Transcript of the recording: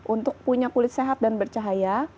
untuk punya kulit sehat dan bercahaya